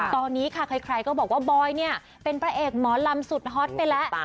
ตอนนี้ค่ะใครก็บอกว่าบอยเนี่ยเป็นพระเอกหมอลำสุดฮอตไปแล้ว